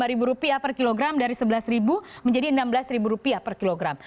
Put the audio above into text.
rp lima per kilogram dari rp sebelas menjadi rp enam belas per kilogram